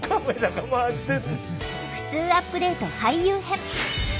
ふつうアップデート俳優編。